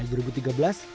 yang terjerat kasus korupsi